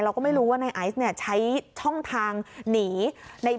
เราก็ไม่รู้ว่านายไอซ์ใช้ช่องทางหนี